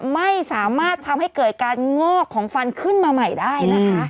ไม่สามารถทำให้เกิดการงอกของฟันขึ้นมาใหม่ได้นะคะ